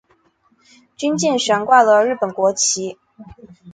军舰悬挂了日本国旗。